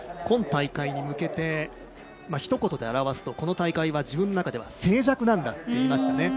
今大会に向けてひと言で表すと、この大会は自分の中では静寂なんだと言いました。